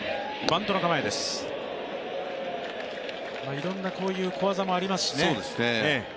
いろんな小技もありますしね。